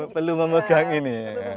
perlu memegang ini